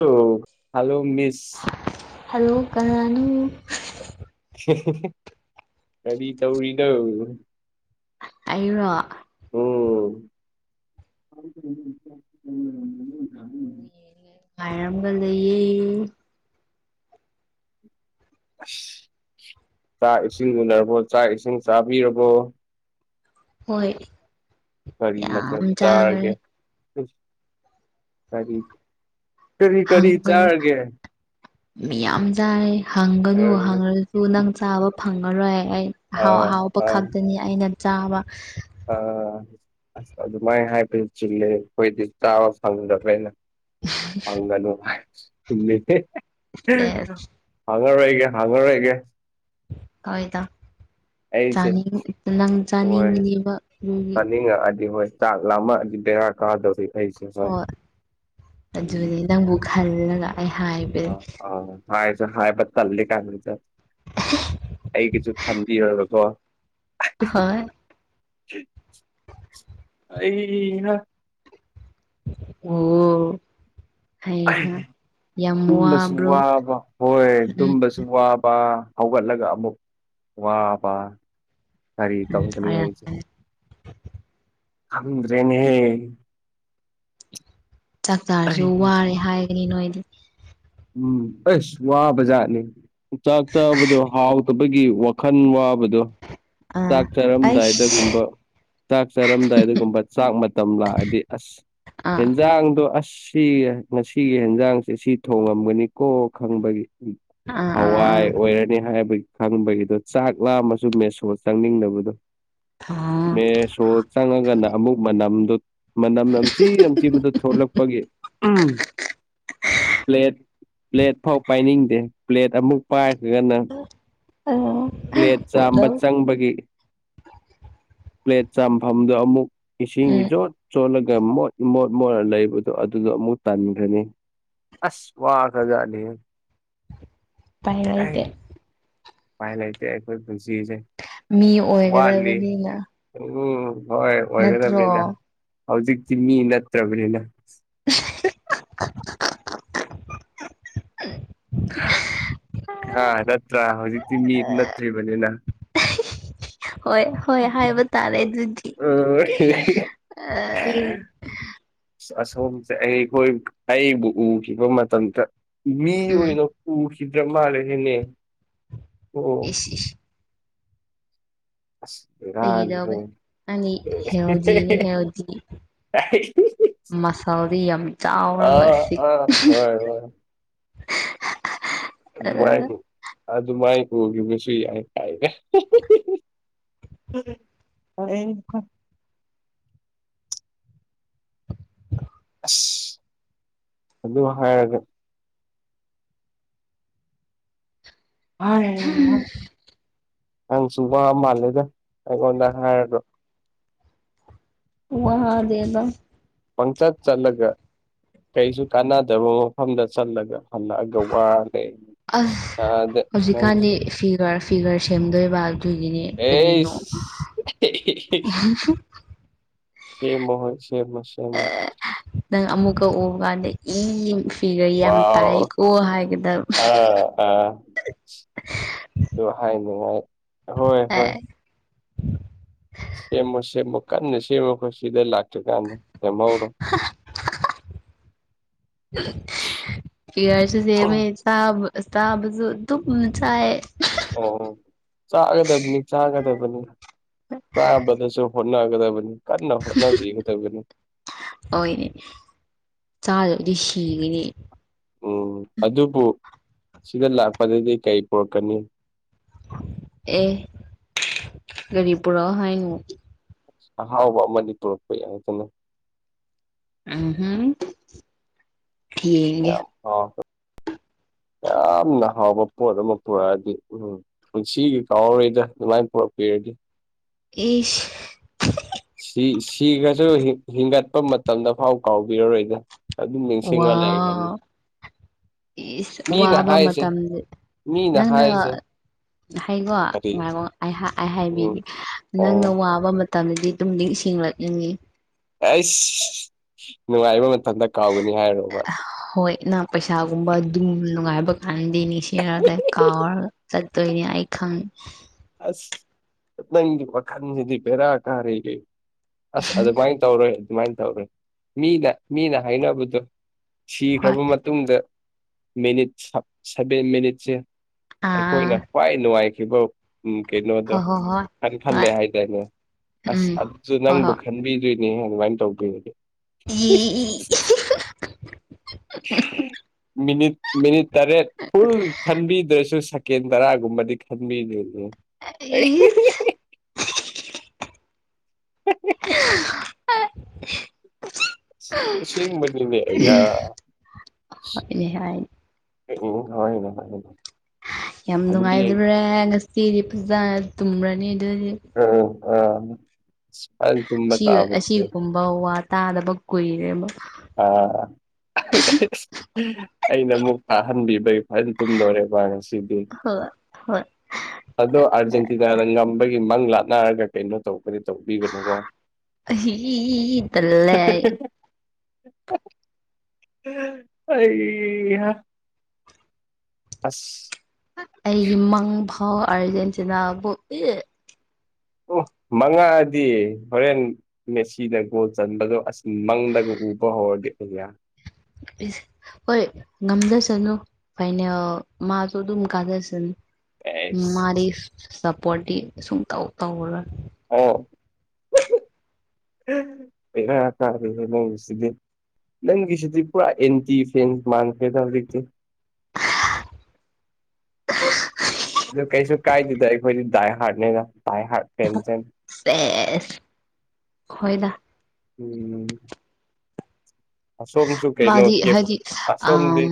[unintelligible] Hello ꯃꯤꯁ [unintelligible] hello ꯀꯅꯥꯅꯣ [unintelligible] ꯀꯔꯤ ꯇꯧꯔꯤꯅꯣ ꯑꯩꯔꯣ ꯎꯝ [unintelligible] ꯕꯣꯜ ꯌꯦꯡꯒꯦ ꯉꯥꯏꯔꯝꯒ ꯂꯩꯌꯦ ꯑꯁ ꯆꯥꯛ ꯏꯁꯤꯡ ꯎꯅꯔꯕꯣ ꯆꯥꯛ ꯏꯁꯤꯡ ꯆꯥꯕꯤꯔꯕꯣ ꯍꯣꯏ ꯀꯔꯤ ꯌꯥꯝ ꯃꯊꯦꯜ ꯆꯥꯔꯒꯦ ꯆꯥꯈ꯭ꯔꯦ ꯐꯔꯤ ꯀꯔꯤ ꯀꯔꯤ ꯆꯥꯔꯒꯦ ꯃꯤꯌꯥꯝ ꯆꯥꯔꯦ ꯍꯪꯒꯅꯨ ꯑꯥ ꯍꯪꯉꯁꯨ ꯅꯪ ꯆꯥꯕ ꯐꯪꯉꯔꯣꯏ ꯑꯩ ꯑꯍꯥꯎ ꯑꯍꯥꯎꯕ ꯑꯥ ꯈꯛꯇꯅꯤ ꯑꯩꯅ ꯆꯥꯕ ꯑ ꯑꯁ ꯑꯗꯨꯃꯥꯏ ꯍꯥꯏꯕꯗꯤ ꯆꯤꯡꯅꯩ ꯑꯈꯣꯏꯗꯤ ꯆꯥꯕ ꯐꯪꯗꯕ꯭ꯔꯅ ꯍꯪꯒꯅꯨ ꯍꯥꯡꯉꯔꯣꯏꯒꯦ ꯍꯥꯡꯉꯔꯣꯏꯒꯦ ꯍꯣꯏꯗ ꯑꯩꯁꯦ ꯆꯥꯅꯤꯡ ꯅꯪ ꯆꯥꯅꯤꯡꯒꯤꯅꯤꯕ ꯑꯗꯨꯒꯤ [unintelligible] ꯑꯗꯤ ꯍꯣꯏ ꯆꯥꯛ ꯂꯥꯝꯃꯛ ꯑꯗꯤ ꯕꯦꯔꯥ ꯀꯥꯗꯧꯔꯤ ꯍꯣꯏ ꯎꯝ ꯑꯗꯨꯅꯤ ꯅꯪꯕꯨ ꯈꯜꯂꯒ ꯑꯩ ꯍꯥꯏ ꯑ ꯑ ꯍꯥꯏꯖꯨ ꯍꯥꯏꯕ ꯇꯜꯂꯤ ꯀꯥꯏ ꯃꯆꯦ ꯑꯩꯒꯤꯁꯨ ꯈꯟꯕꯤꯔꯔꯕꯀꯣ ꯍꯣꯏ ꯑꯩꯍꯥ ꯑꯣ ꯍꯩ ꯍꯥ ꯌꯥꯝ ꯇꯨꯝꯕꯁꯨ ꯋꯥꯕ꯭ꯔꯣ ꯋꯥꯕ ꯍꯣꯏ ꯎꯝ ꯇꯨꯝꯕꯁꯨ ꯆꯨ ꯋꯥꯕ ꯍꯧꯒꯠꯂꯒ ꯑꯃꯨꯛ ꯋꯥꯕ ꯀꯔꯤ ꯎꯝ ꯇꯧꯒꯅꯤ ꯍꯣꯏ ꯑꯩꯖꯦ ꯈꯪꯗ꯭ꯔꯦꯅꯦꯍꯦ ꯆꯥꯛꯆꯥꯔꯁꯨ ꯑꯩ ꯋꯥꯔꯦ ꯍꯥꯏꯒꯅꯤ ꯅꯣꯏꯗꯤ ꯎꯝ ꯑꯁ ꯋꯥꯕꯖꯥꯠꯅꯤ ꯆꯥꯛ ꯆꯕꯗꯣ ꯍꯥꯎꯇ ꯕꯒꯤ ꯋꯥꯈꯜ ꯋꯥꯕꯗꯣ ꯑꯥ ꯆꯥꯛ ꯑꯩꯁ ꯆꯥꯔꯝꯗꯥꯏꯗꯒꯨꯝꯕ ꯆꯥꯛ ꯆꯥꯔꯝꯗꯥꯏꯗꯒꯨꯝꯕ ꯆꯥꯛ ꯃꯇꯝ ꯂꯥꯛꯑꯗꯤ ꯑꯁ ꯑꯥ ꯌꯦꯟꯖꯥꯡꯗꯣ ꯑꯁ ꯁꯤ ꯉꯁꯤꯒꯤ ꯌꯦꯟꯖꯥꯡꯁꯦ ꯁꯤ ꯊꯣꯡꯉꯝꯒꯅꯤꯀꯣ ꯈꯪꯕꯒꯤ ꯑ ꯍꯋꯥꯏ ꯑꯣꯏꯔꯅꯤ ꯍꯥꯏꯕꯒꯤ ꯈꯪꯕꯒꯤꯗꯣ ꯆꯥꯛ ꯂꯥꯝꯃꯁꯨ ꯃꯦꯁꯣ ꯆꯪꯅꯤꯡꯗꯕꯗꯣ ꯑꯥ ꯃꯦꯁꯁꯣ ꯆꯪꯉꯒꯅ ꯑꯃꯨꯛ ꯃꯅꯝꯗꯨ ꯃꯅꯝ ꯅꯝꯊꯤ ꯅꯝꯊꯤꯕꯗꯣ ꯊꯣꯛꯂꯛꯄꯒꯤ ꯄ꯭ꯂꯦꯠ ꯄ꯭ꯂꯦꯠ ꯐꯥꯎ ꯄꯥꯏꯅꯤꯡꯗꯦ ꯄ꯭ꯂꯦꯠ ꯑꯃꯨꯛ ꯄꯥꯏꯈꯔꯒꯅ ꯑꯪ ꯄ꯭ꯂꯦꯠ ꯆꯥꯝꯕ ꯆꯪꯕꯒꯤ ꯄ꯭ꯂꯦꯠ ꯆꯥꯝꯐꯝꯗꯣ ꯑꯃꯨꯛ ꯏꯁꯤꯡ ꯎꯝ ꯏꯆꯣꯠ ꯆꯣꯠꯂꯒ ꯃꯣꯠ ꯏꯃꯣꯠ ꯃꯣꯠꯂ ꯂꯩꯕꯗꯣ ꯑꯗꯨꯗꯣ ꯑꯃꯨꯛ ꯇꯟꯈ꯭ꯔꯅꯤ ꯑꯁ ꯋꯥꯈꯔꯖꯠꯅꯤꯍꯦ ꯎꯄꯥꯏ ꯑꯩ ꯂꯩꯇꯦ ꯎꯄꯥꯏ ꯂꯩꯇꯦ ꯑꯩꯈꯣꯏ ꯄꯨꯟꯁꯤꯁꯦ ꯃꯤ ꯋꯥꯠꯂꯤ ꯑꯣꯏꯒꯗꯕꯅꯤꯅ ꯎꯝ ꯍꯣꯏ ꯅꯠꯇ꯭ꯔꯣ ꯑꯣꯏꯒꯗꯕꯅꯤꯗ ꯍꯧꯖꯤꯛꯇꯤ ꯃꯤ ꯅꯠꯇ꯭ꯔꯕꯅꯤꯅ [unintelligible] ꯍꯥꯥ ꯅꯠꯇ꯭ꯔꯥ ꯍꯧꯖꯤꯛꯇꯤ ꯃꯤ ꯅꯠꯇ꯭ꯔꯤꯕꯅꯤꯅ ꯍꯣꯏ ꯍꯣꯏ ꯍꯥꯏꯕ ꯇꯥꯔꯦ ꯑ ꯑꯗꯨꯗꯤ ꯑ ꯑꯁꯣꯝꯁꯦ ꯑꯩꯈꯣꯏ ꯑꯩꯕꯨ ꯎꯈꯤꯕ ꯃꯇꯝꯗ ꯃꯤ ꯎꯝ ꯑꯣꯏꯅ ꯎꯈꯤꯗ꯭ꯔ ꯃꯥꯜꯂꯦꯅꯦꯅꯦ ꯏꯁ ꯏꯁ ꯑꯁ ꯐꯥꯒꯤ ꯕꯦꯔꯥꯅꯤꯍꯦ ꯇꯧꯕꯅꯦ ꯅꯪꯗꯤ ꯍꯦꯜꯗꯤꯅꯤ ꯍꯦꯜꯗꯤ ꯀꯥꯏ ꯃꯁꯜꯗꯤ ꯌꯥꯝ ꯆꯥꯎꯔꯒ ꯑꯥ ꯁꯤꯛ ꯑꯥ ꯍꯣꯏ ꯍꯣꯏ ꯑꯗꯨꯃꯥꯏ ꯑꯥ ꯑꯗꯨꯃꯥꯏ ꯎꯈꯤꯕꯁꯨ ꯌꯥꯏ ꯀꯥꯏꯗꯦ [inaudible] ꯑꯁ ꯑꯗꯨꯃꯥꯏ ꯍꯥꯏꯔꯒ ꯅꯪ ꯁꯨ ꯋꯥ ꯃꯥꯜꯂꯦꯗ ꯑꯩꯉꯣꯟꯗ ꯍꯥꯏꯔꯒ ꯋꯥꯗꯦꯗ ꯄꯪꯆꯠ ꯆꯠꯂꯒ ꯀꯩꯁꯨ ꯀꯥꯟꯅꯗꯕ ꯃꯐꯝꯗ ꯆꯠꯂꯒ ꯍꯜꯂꯛꯑꯒ ꯋꯥ ꯂꯩ ꯑꯁ ꯑꯥꯗ ꯅꯪꯁꯨ [inaudible] ꯐꯤꯒꯔ ꯁꯦꯝꯗꯣꯏꯕ ꯑꯗꯨꯒꯤꯅꯦ ꯀꯔꯤꯅꯣ ꯑꯩꯁ ꯁꯦꯝꯃꯣ ꯍꯣꯏ ꯁꯦꯝꯃꯣ ꯁꯦꯝꯃꯣ ꯅꯪ ꯑꯃꯨꯛꯀ ꯎꯕ ꯀꯥꯟꯗ ꯏ ꯐꯤꯒꯔ ꯌꯥꯝ ꯋꯥꯎ ꯇꯥꯏꯀꯣ ꯍꯥꯏꯒꯗꯕ ꯑꯥ ꯑꯥ ꯑꯗꯨ ꯍꯥꯏꯅꯤꯡꯉꯥꯏ ꯍꯣꯏ ꯍꯣꯏ ꯁꯦꯝꯃꯣ ꯁꯦꯝꯃꯣ ꯀꯟꯅ ꯁꯦꯝꯃꯣꯀꯣ ꯁꯤꯗ ꯂꯥꯛꯇꯔꯤ ꯀꯥꯟꯗ ꯁꯦꯝꯍꯧꯔꯣ ꯐꯤꯒꯔꯁꯨ ꯁꯤꯝꯃꯦ ꯆꯥꯕ ꯆꯥꯕꯁꯨ ꯑꯗꯨꯝ ꯆꯥꯏ ꯑꯣ ꯆꯥꯒꯗꯕꯅꯤ ꯆꯥꯒꯗꯕꯅꯤ ꯆꯥꯕꯗꯁꯨ ꯍꯣꯠꯅꯒꯗꯕꯅꯤ ꯀꯟꯅ ꯍꯣꯠꯅꯕꯤꯒꯗꯕꯅꯤ ꯍꯣꯏꯅꯦ ꯆꯥꯗꯔꯗꯤ ꯁꯤꯒꯤꯅꯤ ꯎꯝ ꯑꯗꯨꯕꯨ ꯁꯤꯗ ꯂꯥꯛꯄꯗꯗꯤ ꯀꯩ ꯄꯨꯔꯛꯀꯅꯤ ꯑꯦ ꯀꯔꯤ ꯄꯨꯔꯛꯑꯣ ꯍꯥꯏꯅꯣ ꯑꯍꯥꯎꯕ ꯑꯃꯗꯤ ꯄꯨꯔꯛꯄ ꯌꯥꯏꯗꯅ ꯎꯝꯍꯝ ꯌꯦꯡꯒꯦ ꯌꯥꯝ ꯍꯥꯎꯕ ꯌꯥꯝꯅ ꯍꯥꯎꯕ ꯄꯣꯠ ꯑꯃ ꯄꯨꯔꯛꯑꯗꯤ ꯎꯝ ꯄꯨꯟꯁꯤꯒꯤ ꯀꯥꯎꯔꯔꯣꯏꯗ ꯑꯗꯨꯃꯥꯏꯅ ꯄꯨꯔꯛꯄꯤꯔꯗꯤ ꯏꯁ ꯁꯤ ꯁꯤꯒꯔꯁꯨ ꯍꯤꯡꯒꯠꯄ ꯃꯇꯝꯗ ꯐꯥꯎ ꯀꯥꯎꯕꯤꯔꯔꯣꯏꯗ ꯑꯗꯨꯝ ꯅꯤꯡꯁꯤꯡꯉ ꯂꯩꯔꯅꯤ ꯋꯥꯎ ꯏꯁ ꯃꯤꯅ ꯋꯥꯕ ꯍꯥꯏꯁꯦ ꯃꯇꯝꯗ ꯃꯤꯅ ꯅꯪꯅ ꯍꯥꯏꯁꯦ ꯍꯩꯒꯣ ꯀꯔꯤ ꯉꯥꯏꯒꯣ ꯑꯩꯍꯥ ꯑꯩ ꯎꯝ ꯍꯥꯏꯕꯤꯒꯦ ꯅꯪꯅ ꯑꯣ ꯋꯥꯕ ꯃꯠ ꯇꯝꯗꯗꯤ ꯑꯗꯨꯝ ꯅꯤꯡꯁꯤꯡꯂꯛꯏꯅꯤ ꯅꯨꯡꯉꯥꯏꯕ ꯃꯇꯝꯗ ꯀꯥꯎꯒꯅꯤ ꯍꯥꯏꯔꯣꯕ ꯍꯣꯏ ꯅꯪ ꯄꯩꯁꯥꯒꯨꯝꯕ ꯑꯗꯨꯝ ꯅꯨꯡꯉꯥꯏꯕ ꯀꯥꯟꯗꯤ ꯅꯤꯡꯁꯤꯡꯔꯛꯗꯦ ꯀꯥꯎꯔꯒ ꯆꯠꯇꯣꯏꯅꯦ ꯑꯩ ꯈꯪꯉꯦ ꯑꯁ ꯅꯪꯒꯤ ꯋꯥꯈꯟꯖꯤꯗꯤ ꯕꯦꯔꯥ ꯀꯥꯔꯦꯍꯦ ꯑꯁ ꯑꯗꯨꯃꯥꯏ ꯇꯧꯔꯣꯏ ꯑꯗꯨꯃꯥꯏꯅ ꯇꯧꯔꯣꯏ ꯃꯤꯅ ꯃꯤꯅ ꯍꯥꯏꯅꯕꯗꯣ ꯍꯣꯏ ꯁꯤꯈ꯭ꯔꯕ ꯃꯠ ꯃꯇꯨꯡꯗ ꯃꯤꯅꯤꯠ ꯁꯕ ꯁꯕꯦꯟ ꯃꯤꯅꯤꯠꯁꯦ ꯑꯩꯈꯣꯏꯅ ꯑꯥ ꯈ꯭ꯋꯥꯏ ꯅꯨꯡꯉꯥꯏꯈꯤꯕ ꯎꯝ ꯀꯩꯅꯣꯗꯣ ꯍꯣꯏ ꯍꯣꯏ ꯍꯣꯏ ꯈꯟ ꯈꯜꯂꯦ ꯍꯣꯏ ꯍꯥꯏꯗꯥꯏꯅꯦ ꯑꯁ ꯎꯝ ꯑꯗꯨꯁꯨ ꯍꯣꯏ ꯅꯪꯕꯨ ꯍꯣꯏ ꯈꯟꯕꯤ [unintelligible] ꯑꯗꯨꯃꯥꯏꯅ ꯇꯧꯕꯤꯔꯗꯤ ꯏ ꯏ ꯏ ꯃꯤꯅꯤꯠ ꯃꯤꯅꯤꯠ ꯇꯔꯦꯠ ꯐꯨꯜ ꯈꯟꯕꯤꯗ꯭ꯔꯁꯨ ꯁꯦꯀꯦꯟ ꯇꯔꯥꯒꯨꯝꯕꯗꯤ ꯈꯟꯕꯤꯅꯤꯗꯅ [unintelligible] [unintelligible] ꯑꯁꯦꯡꯕ ꯅꯤ ꯃꯤ ꯑꯥꯌꯥ ꯍꯣꯏꯅꯦ ꯍꯥꯏ ꯎꯝ [unintelligible] ꯌꯥꯝ ꯑꯗꯨꯗꯤ ꯅꯨꯡꯉꯥꯏꯖꯨꯔꯦ ꯉꯁꯤꯗꯤ ꯐꯖꯅ ꯇꯨꯝꯔꯅꯤ ꯑꯗꯨꯗꯤ ꯎꯝ‌ꯑꯥ‌‌ ꯐꯖꯟꯅ ꯑꯁꯤꯒꯨꯝꯕ ꯋꯥ ꯇꯥꯗꯕ ꯀꯨꯏꯔꯦꯕ ꯑꯥ ꯑꯩꯅ ꯑꯃꯨꯛ ꯇꯥꯍꯟꯕꯤꯕꯩ ꯐꯖꯅ ꯇꯨꯝꯗꯣꯔꯦꯕ ꯉꯁꯤꯗꯤ ꯎꯝ ꯍꯣꯏ [inaudible] ꯑꯗꯣ ꯑꯥꯔꯖꯦꯟꯇꯤꯅꯥꯗ ꯉꯝꯕꯒꯤ ꯃꯪ ꯂꯥꯠꯅꯔꯒ ꯀꯩꯅꯣ ꯇꯧꯕꯗꯤ ꯇꯧꯕꯤꯒꯅꯨꯀꯣ ꯇꯜꯂꯦ‌ ‌ꯑꯩ ꯑꯩꯍꯥ ꯑꯁ ꯑꯩꯒꯤ ꯃꯡꯐꯥꯎ ꯑꯥꯔꯖꯦꯟꯇꯤꯅꯥꯕꯨ ꯎꯥꯏ ꯑꯣ ꯃꯉꯥꯡꯑꯗꯤ ꯍꯣꯔꯦꯟ ꯃꯦꯁꯤꯅ ꯒꯣꯜ ꯆꯟꯕꯗꯣ ꯑꯁ ꯃꯪꯗꯒ ꯎꯕ ꯍꯧꯔꯗꯤ ꯑꯦꯌꯥ ꯏꯁ ꯍꯣꯏ ꯉꯝꯖꯁꯅꯨ ꯀꯩꯅꯣ ꯃꯥꯁꯨ ꯑꯗꯨꯝ ꯀꯥꯖꯁꯅꯨ ꯑꯦꯁ ꯃꯥꯗꯤ ꯁꯞꯄꯣꯔꯇꯤ ꯁꯨꯛ ꯇꯧ ꯇꯧꯔꯔꯣꯏ ꯑꯣ ꯕꯦꯔꯥ ꯇꯥꯔꯤ‌ꯅꯣꯛꯁꯤꯗꯤ ꯅꯪꯒꯤꯁꯤꯗꯤ ꯄꯨꯔꯥ ꯑꯦꯟꯇꯤ ꯐꯦꯟꯁ ꯃꯥꯟꯈ꯭ꯔꯦꯗ ꯍꯧꯖꯤꯛꯇꯤ [unintelligible] ꯑꯗꯨ ꯀꯩꯁꯨ ꯀꯥꯏꯗꯗ ꯑꯩꯈꯣꯏꯗꯤ ꯗꯥꯏ ꯍꯥꯔꯠꯅꯦꯅ ꯗꯥꯏ ꯍꯥꯔꯠ ꯄꯦꯟꯁ ꯁꯦꯁ ꯍꯣꯏꯗ ꯎꯝ ꯑꯁꯣꯝꯁꯨ ꯀꯩꯅꯣ ꯃꯥꯗꯤ ꯀꯦꯞ ꯍꯥꯏꯗꯤ ꯑ ꯑꯁꯣꯝꯗꯤ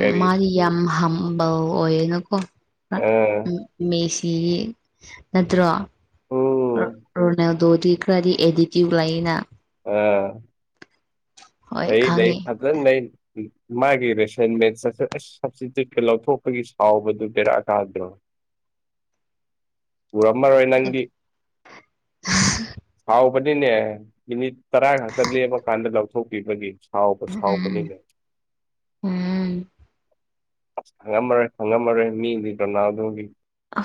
ꯀꯔꯤ ꯃꯥꯗꯤ ꯌꯥꯝ ꯍꯝꯕꯜ ꯑꯣꯏꯌꯦꯅꯀꯣ ꯎꯝ ꯃꯦꯁꯤꯒꯤ ꯅꯠꯇ꯭ꯔ ꯎꯝ ꯔꯣꯅꯥꯜꯗꯣꯗꯤ ꯏꯔꯗꯤ ꯑꯦꯗꯤꯇꯌꯨꯕ ꯂꯩꯌꯦꯅ ꯑꯥ ꯍꯣꯏ ꯂꯩ ꯂꯩ ꯈꯪꯉꯤ ꯐꯖꯟꯅ ꯂꯩ ꯃꯥꯒꯤ ꯔꯦꯁꯟꯃꯦꯟ ꯁꯠ ꯁꯠ ꯁꯞꯇ꯭ꯌꯨꯠꯀ ꯂꯧꯊꯣꯛꯄꯒꯤ ꯁꯥꯎꯕꯗꯨ ꯕꯩꯔꯥ ꯀꯥꯗ꯭ꯔꯣ ꯎꯔꯝꯃꯔꯣꯏ ꯅꯪꯗꯤ ꯁꯥꯎꯕꯅꯤꯅꯦ ꯃꯤꯅꯤꯠ ꯇꯔꯥ ꯉꯥꯛꯇ ꯂꯦꯝꯃꯀꯥꯟꯗ ꯂꯧꯊꯣꯛꯄꯤꯕꯒꯤ ꯁꯥꯎꯕꯨ ꯁꯥꯎꯕꯥ ꯎꯝ ꯅꯤꯅꯦ ꯎꯝ ꯈꯝꯉꯝꯃꯔꯣꯏ ꯈꯝꯉꯝꯃꯔꯣꯏ ꯃꯤꯒꯤ ꯔꯣꯅꯥꯜꯗꯣꯒꯤ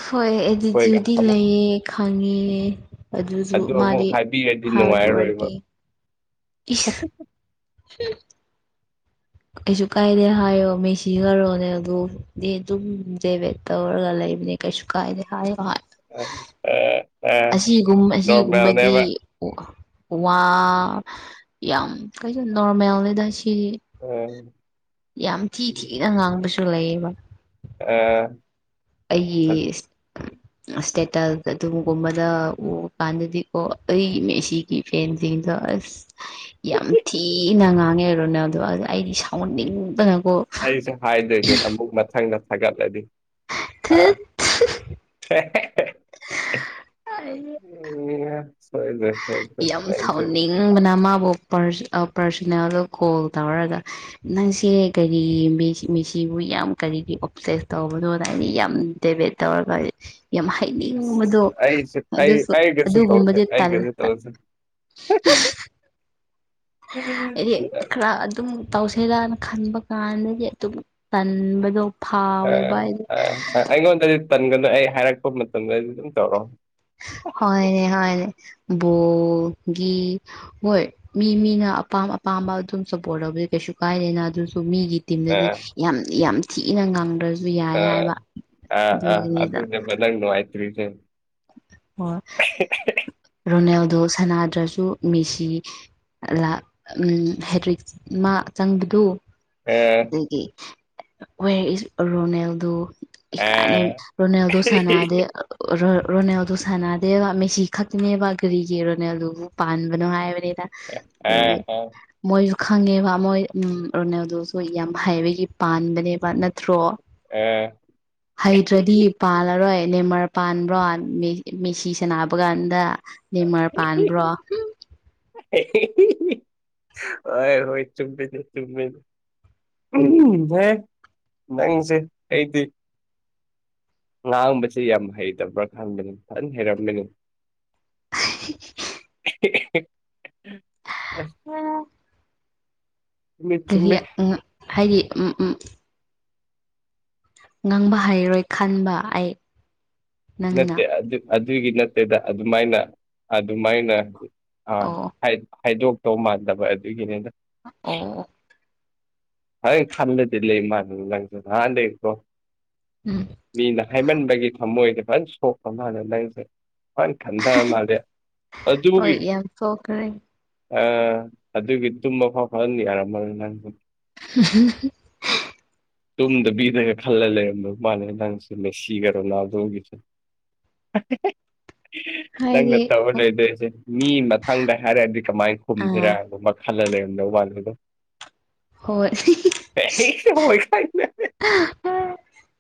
ꯍꯣꯏ ꯑꯩꯗꯤ ꯑꯩꯈꯣꯏꯒ ꯖꯨꯗꯤ ꯑꯃꯨꯛ ꯂꯩꯌꯦ ꯈꯪꯉꯦ ꯑꯗꯨꯁꯨ ꯃꯥꯗꯤ ꯑꯩꯗꯤ ꯍꯥꯔꯠ ꯅꯨꯡꯉꯥꯏꯔꯔꯣꯏꯕ ꯋꯥꯔꯀꯤꯡ ꯏꯁ ꯍꯨꯝ ꯀꯩꯁꯨ ꯀꯥꯏꯗꯦ ꯍꯥꯏꯌꯣ ꯃꯦꯁꯤꯒ ꯔꯣꯅꯥꯜꯗꯣꯒ‌ ꯑꯗꯨꯗꯤ ꯑꯗꯨꯝ ꯗꯦꯚꯦꯠ ꯇꯧꯔꯒ ꯂꯩꯕꯅꯦ ꯀꯩꯁꯨ ꯀꯥꯏꯗꯦ ꯍꯥꯏꯌꯣ ꯍꯥꯏꯌꯣ ꯑꯥ ꯑꯁꯤꯒꯨꯝꯕ ꯑꯁꯤꯒꯨꯝꯕꯗꯤ ꯅꯣꯔꯃꯦꯜꯅꯦꯕ ꯋꯥ ꯌꯥꯝ ꯀꯩꯁꯨ ꯅꯣꯔꯃꯦꯜꯅꯤꯗ ꯁꯤ ꯑ ꯌꯥꯝ ꯊꯤ ꯊꯤꯅ ꯉꯥꯡꯕꯁꯨ ꯂꯩꯌꯦꯕ ꯑꯥ ꯑꯩꯁ [inaudible] ꯁ꯭ꯇꯦꯇꯜ ꯑꯗꯨꯒꯨꯝꯕꯗ ꯎꯕ ꯀꯥꯟꯗꯗꯤꯀꯣ ꯑꯩ ꯃꯦꯁꯤꯒꯤ ꯐꯦꯟ ꯁꯤꯡꯗꯣ ꯑꯁ ꯌꯥꯝ ꯊꯤꯅ ꯉꯥꯡꯉꯦ ꯔꯣꯅꯦꯜꯗꯣ ꯑꯩꯗꯤ ꯁꯥꯎꯟꯅꯤꯡꯗꯅꯀꯣ ꯁꯦ ꯍꯥꯏꯗꯣꯏꯅꯦ ꯑꯃꯨꯛ ꯃꯊꯪꯗ ꯊꯥꯒꯠꯂꯗꯤ ꯑ [unintelligible] [unintelligible] [unintelligible] ꯑꯣ ꯁꯣꯏꯗꯦ ꯌꯥꯝ ꯁꯥꯎꯅꯤꯡꯕꯅ ꯃꯥꯕꯨ ꯄꯔꯁꯣꯅꯦꯜꯗ ꯀꯣꯜ ꯇꯧꯔꯒ ꯅꯪꯁꯦ ꯀꯔꯤ ꯃꯦꯁꯤ ꯃꯦꯁꯤꯕꯨ ꯌꯥꯝ ꯀꯔꯤꯒꯤ ꯑꯣꯞꯁꯦꯁ ꯇꯧꯕꯅꯣ ꯑꯩꯅ ꯌꯥꯝ ꯇꯦꯕꯦꯠ ꯇꯧꯔꯒ ꯌꯥꯝ ꯑꯁ ꯍꯥꯏꯅꯤꯡꯕꯗꯣ ꯑꯩꯁꯨ ꯑꯩ ꯑꯗꯨꯁꯨ ꯑꯩꯒꯁꯨ ꯇꯧꯁꯦ ꯑꯗꯨꯒꯨꯝꯕꯗꯤ ꯇꯜꯂꯦ [unintelligible] ꯍꯥꯏꯗꯤ ꯈꯔ ꯑꯗꯨꯝ ꯇꯧꯁꯤꯔꯅ ꯈꯟꯕ ꯀꯥꯟꯗꯗꯤ ꯑꯗꯨꯝ ꯇꯟꯕꯗꯣ ꯐꯥꯎꯋꯦꯕ ꯍꯥꯏꯗꯤ ꯑꯩꯉꯣꯟꯗꯗꯤ ꯇꯟꯒꯅꯨ ꯑꯩ ꯍꯥꯏꯔꯛꯄ ꯃꯇꯝꯗꯗꯤ ꯑꯗꯨꯝ ꯇꯧꯔꯛꯑꯣ ꯍꯣꯏꯅꯦ ꯍꯣꯏꯅꯦ ꯕꯣꯜꯒꯤ ꯍꯣꯏ ꯃꯤ ꯃꯤꯅ ꯑꯄꯥꯝ ꯑꯄꯥꯝꯕ ꯑꯗꯨꯝ ꯁꯞꯄꯣꯔꯠ ꯇꯧꯕꯤꯕ ꯀꯩꯁꯨ ꯀꯥꯏꯗꯦꯅ ꯑꯗꯨꯁꯨ ꯃꯤꯒꯤ ꯑ ꯇꯤꯝꯗꯗꯤ ꯌꯥꯝ ꯌꯥꯝ ꯊꯤꯅ ꯉꯪꯗ꯭ꯔꯁꯨ ꯌꯥꯏ ꯑ ꯍꯥꯏꯕ ꯑ ꯑ ꯑꯗꯨꯒꯤꯅꯤꯗ ꯑꯗꯨꯅꯦꯕ ꯅꯪ ꯅꯨꯡꯉꯥꯏꯇꯔꯤꯁꯦ ꯑꯣ ꯔꯣꯅꯦꯜꯗꯣ ꯁꯅꯥꯗ꯭ꯔꯁꯨ ꯃꯦꯁꯤ ꯂꯛ ꯍꯦꯗ꯭ꯔꯤꯛ ꯃꯥ ꯆꯪꯕꯗꯨ ꯑ ꯑꯗꯒꯤ ꯋꯌꯥꯔ ꯏꯁ ꯔꯣꯅꯦꯜꯗꯣ ꯑ ꯏꯀꯥꯏꯅ ꯔꯣꯅꯦꯜꯗꯣ ꯁꯥꯟꯅꯗꯦ ꯔꯣ ꯔꯣꯅꯦꯜꯗꯣ ꯁꯥꯟꯅꯗꯦꯕ ꯃꯦꯁꯤ ꯈꯛꯇꯅꯦꯕ ꯀꯔꯤꯒꯤ ꯔꯣꯅꯦꯜꯗꯣꯕꯨ ꯄꯥꯟꯕꯅꯣ ꯍꯥꯏꯕꯅꯤꯗ꯫ ꯑ ꯑ ꯑꯗꯒꯤ ꯃꯣꯏꯁꯨ ꯈꯪꯉꯦꯕ ꯃꯣꯏ ꯎꯝ ꯔꯣꯅꯥꯜꯗꯣꯁꯨ ꯌꯥꯝ ꯍꯥꯏꯕꯒꯤ ꯄꯥꯟꯕꯅꯦꯕ ꯅꯠꯇ꯭ꯔꯣ ꯑꯥ ꯍꯩꯇ꯭ꯔꯗꯤ ꯄꯥꯜꯂꯔꯣꯏ ꯅꯦꯝꯃꯔ ꯄꯥꯟꯕ꯭ꯔꯣ ꯃꯦꯁꯤ ꯁꯥꯅꯥꯕ ꯀꯥꯟꯗ ꯅꯤꯃꯔ ꯄꯥꯟꯕ꯭ꯔꯣ ꯍꯣꯏ ꯍꯣꯏ ꯆꯨꯝꯃꯦꯅꯦ ꯆꯨꯝꯃꯦꯅꯦ ꯎꯝ ꯍꯦ ꯅꯪꯁꯦ ꯑꯩꯗꯤ ꯉꯥꯡꯕꯁꯦ ꯌꯥꯝ ꯍꯩꯇꯕ꯭ꯔꯥ ꯈꯟꯕꯅꯤ ꯐꯖꯅ ꯍꯩꯔꯝꯃꯤꯅꯤ [inaudible] ꯑꯁ [unintelligible] ꯆꯨꯝꯃꯦ ꯀꯔꯤ ꯆꯨꯝꯃꯦ ꯍꯥꯏꯗꯤ ꯎꯝ ꯎꯝ ꯉꯥꯡꯕ ꯍꯩꯔꯣꯏ ꯈꯟꯕ ꯑꯩ ꯅꯪꯅ ꯅꯠꯇꯦ ꯑꯗꯨ ꯑꯗꯨꯒꯤ ꯅꯠꯇꯦꯗ ꯑꯗꯨꯃꯥꯏꯅ ꯑꯗꯨꯃꯥꯏꯅ ꯑꯥ ꯑꯣ ꯍꯥꯏꯗꯣꯛꯇꯧ ꯃꯥꯟꯗꯕ ꯑꯗꯨꯒꯤꯅꯤꯗ ꯑꯣ ꯐꯖꯅꯗꯤ ꯈꯝꯂꯗꯤ ꯂꯩ ꯃꯥꯜꯂꯦ ꯅꯪꯁꯦ ꯅꯍꯥꯟꯗꯩ ꯀꯣ [inaudible] ꯃꯤꯅ ꯍꯥꯏꯃꯟꯕꯒꯤ ꯊꯝꯃꯣꯏꯗꯤ ꯐꯖꯅ ꯁꯣꯛꯄ ꯃꯥꯥꯟꯅꯦ ꯅꯪꯁꯦ ꯐꯟ ꯈꯟꯗꯔ ꯃꯥꯜꯂ‌ꯦ ꯍꯣꯏ ꯑꯗꯨꯒꯤ ꯌꯥꯝ ꯁꯣꯛꯈ꯭ꯔꯦ ꯑ ꯑꯗꯨꯒꯤ ꯇꯨꯝꯕ ꯐꯥꯎ ꯐꯅ ꯌꯥꯔꯝꯃꯔ‌ꯦꯏ ꯅꯪ [unintelligible] ꯇꯨꯝꯗꯕꯤꯗꯒ ꯈꯜꯂ ꯂꯩꯔꯝꯕ ꯃꯥꯅꯦ ꯅꯪꯁ‌ꯦ ꯃ‌ꯦꯁꯤꯒ ꯔ‌ꯣꯅꯥꯗꯣꯝꯒꯤꯁꯦ [inaudible] ꯅꯪꯅ ꯍꯥꯏꯗꯤ ꯇꯧꯔ ꯂꯩꯗꯣꯏꯁꯦ ꯃꯤ ꯃꯊꯪꯗ ꯍꯥꯏꯔꯗꯤ ꯀꯃꯥꯏꯅ ꯈꯨꯝꯁꯤꯔ ꯑꯥ ꯃꯈ ꯈꯜꯂ ꯂꯩꯔꯝ ꯗꯧ ꯃꯜꯂ‌ꯦꯕ‌ꯣ ꯍꯣꯏ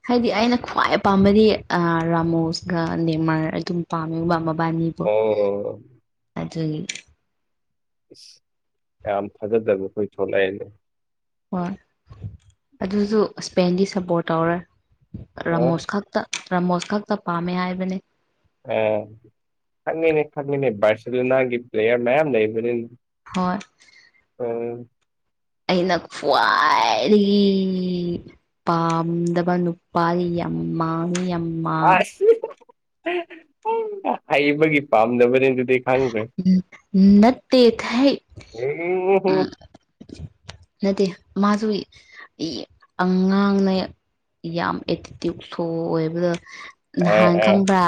ꯍꯥꯏꯗꯤ ꯑꯩꯅ ꯈ꯭ꯋꯥꯏ ꯄꯥꯝꯕꯗꯤ ꯑꯩ ꯔꯥꯃꯣꯁꯒ ꯅꯦꯝꯃꯔ ꯑꯗꯨꯝ ꯄꯥꯝꯃꯦꯕ ꯃꯕꯥꯅꯤ ꯑꯣ ꯑꯗꯨꯒꯤ [unintelligible] ꯍꯣꯏ ꯑꯗꯨꯁꯨ ꯁꯄꯦꯟꯒꯤ ꯁꯞꯄꯣꯔꯠ ꯇꯧꯔꯦ ꯑ ꯔꯥꯃꯣꯁ ꯈꯛꯇ ꯔꯥꯃꯣꯁ ꯈꯛꯇ ꯄꯥꯝꯃꯦ ꯍꯥꯏꯕꯅꯦ ꯑ ꯈꯪꯉꯤꯅꯦ ꯈꯪꯉꯤꯅꯦ ꯕꯥꯔꯁ‌ꯦꯂꯣꯅꯥꯒꯤ ꯄ꯭ꯂꯦꯌꯥꯔ ꯃꯌꯥꯝ ꯂꯩꯕꯅꯤ ꯍꯣꯏ ꯎꯝ ꯑꯩꯅ ꯈ꯭ꯋꯥꯏꯗꯒꯤ ꯄꯥꯝꯗꯕ ꯅꯨꯄꯥ ꯌꯥꯝ ꯃꯥꯉꯤ ꯌꯥꯝ ꯃꯥꯡ ꯑꯁ ꯍꯩꯕꯒꯤ ꯄꯥꯝꯅꯕꯅꯤ ꯑꯗꯨꯗꯤ ꯈꯪꯗ꯭ꯔꯦ ꯎꯝ ꯅꯠꯇꯦꯊꯥꯏ ꯎꯝ ꯍꯨꯝ ꯑꯝ ꯅꯠꯇꯦ ꯃꯥꯁꯨ ꯌ ꯑꯉꯥꯡꯅꯩ ꯌꯥꯝ ꯑꯦꯇꯤꯇ꯭ꯌꯨꯠ ꯁꯣ ꯑꯣꯏꯕꯗ‌ꯣ ꯑꯦ ꯅꯍꯥꯟ ꯑꯦ ꯈꯪꯕ꯭ꯔꯥ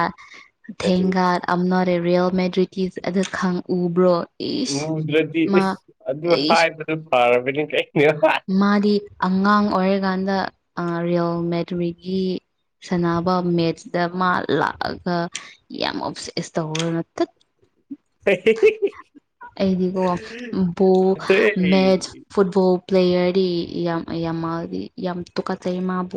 ꯀꯔꯤ ꯊꯦꯡꯒ ꯑ ꯅꯔꯦ ꯔꯤꯌꯦꯜ ꯃꯦꯗ꯭ꯔꯤꯛ ꯀꯤꯁ ꯑꯗꯨ ꯈꯪꯎꯕ꯭ꯔꯣ ꯎꯨꯗ꯭ꯔꯗꯤ ꯏꯁ ꯑꯗꯨ ꯏꯁ ꯍꯥꯏꯕꯗꯨ ꯐꯔꯕꯅꯤ ꯀꯩꯩꯅ ꯃꯥꯗꯤ ꯑꯉꯥꯡ ꯑꯣꯏꯔꯤꯀꯥꯟꯗ ꯔꯤꯌꯜ ꯑ ꯃꯦꯗ꯭ꯔꯤꯒꯤ ꯁꯅꯕ ꯃꯦꯠꯁꯇ ꯃꯥ ꯂꯥꯛꯑꯒ ꯌꯥꯝ ꯑꯣꯞꯁꯦꯁ ꯇꯧꯔꯅ ꯇꯠ ꯑꯩꯗꯤꯀꯣ ꯕꯣ ꯃꯦꯆ ꯐꯨꯠꯕꯣꯜ ꯄ꯭ꯂꯦꯌꯔꯗꯤ ꯌꯥꯝ ꯌꯥꯝ ꯃꯥꯜꯗꯤ ꯌꯥꯝ ꯇꯨꯀꯆꯩ ꯃꯥꯕꯨ